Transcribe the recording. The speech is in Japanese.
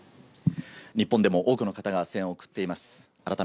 日本でも多くの人が声援を送っています。